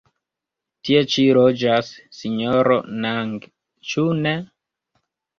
Tie ĉi loĝas Sinjoro Nang, ĉu ne?